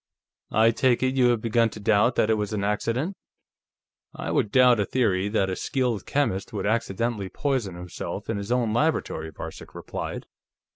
"I take it you have begun to doubt that it was an accident?" "I would doubt a theory that a skilled chemist would accidentally poison himself in his own laboratory," Varcek replied.